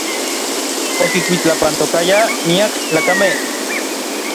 Okikuitlapantokayaj miak tlakamej.